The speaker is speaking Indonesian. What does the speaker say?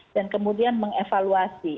dan kemudian mengevaluasi